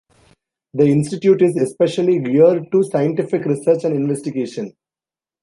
The Institute is especially geared to scientific research and investigation.